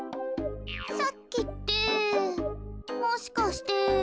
さっきってもしかして。